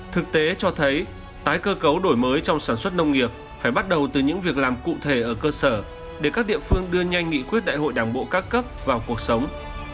thực tế cho thấy tái cơ cấu đổi mới trong sản xuất nông nghiệp phải bắt đầu từ những việc làm cụ thể ở cơ sở để các địa phương đưa nhanh nghị quyết đại hội đảng bộ các cấp vào cuộc sống